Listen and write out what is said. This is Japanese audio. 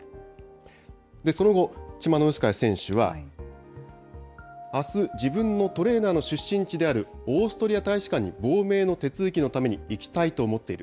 その後、チマノウスカヤ選手は、あす、自分のトレーナーの出身地であるオーストリア大使館に亡命の手続きのために行きたいと思っている。